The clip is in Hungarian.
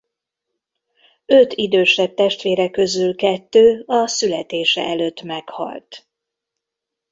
Öt idősebb testvére közül kettő a születése előtt meghalt.